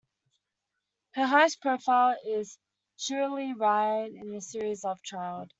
Her highest profile role is Shirley Ryan in the series Love Child.